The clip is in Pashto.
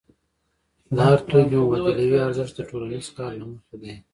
د هر توکي مبادلوي ارزښت د ټولنیز کار له مخې دی.